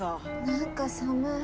何か寒い。